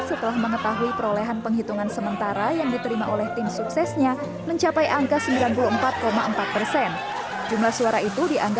sayangnya pada perayaan kemenangan ini